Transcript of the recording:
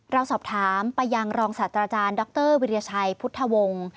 เราสอบถามไปยังรองศาสตราจารย์ดรวิริชัยพุทธวงศ์